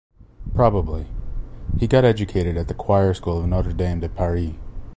Probably, he got educated at the choir school of Notre-Dame de Paris.